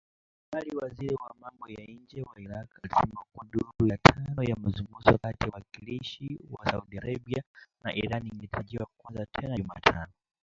Awali waziri wa mambo ya nje wa Iraq, alisema kuwa duru ya tano ya mazungumzo kati ya wawakilishi wa Saudi Arabia na Iran ingetarajiwa kuanza tena Jumatano